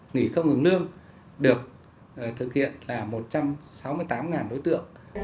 nghỉ không ngừng lương được thực hiện là một trăm sáu mươi tám đối tượng